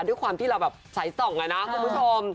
ด้วยความที่เราแบบสายส่องอะนะคุณผู้ชม